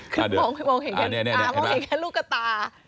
คุณมองเห็นแค่ลูกกระตา